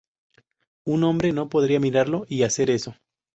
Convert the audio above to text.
Un Hombre no podría mirarlo y hacer eso.